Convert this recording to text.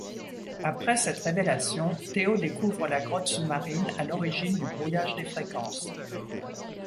Après cette révélation, Théo découvre la grotte sous-marine à l'origine du brouillage des fréquences.